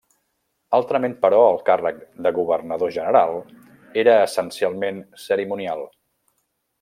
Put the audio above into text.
Altrament però el càrrec de Governador-General era essencialment cerimonial.